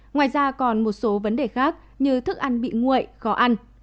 ngoài ra còn một số vấn đề khác như thức ăn bị nguội khó ăn